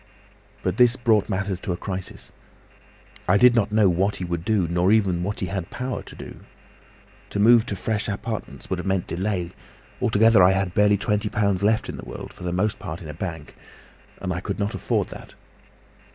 "But this brought matters to a crisis. I did not know what he would do, nor even what he had the power to do. To move to fresh apartments would have meant delay; altogether I had barely twenty pounds left in the world, for the most part in a bank—and I could not afford that.